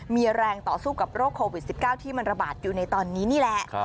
มีแรงต่อสู้กับโรคโควิด๑๙ที่มันระบาดอยู่ในตอนนี้นี่แหละ